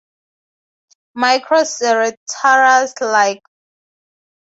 "Microceratus", like all ceratopsians, was a herbivore.